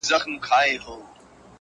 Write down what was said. چي و ئې کې پخپله، گيله مه کوه له بله.